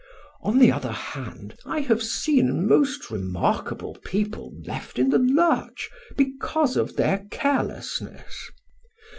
On the other hand, I have seen most remarkable people left in the lurch because of their carelessness.